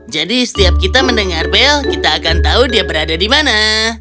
jadi setiap kita mendengar belle kita akan tahu dia berada di mana